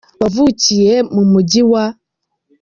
wavukiye mu Mujyi wa.